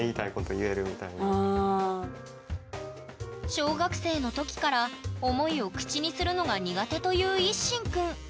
小学生の時から思いを口にするのが苦手というＩＳＳＨＩＮくん。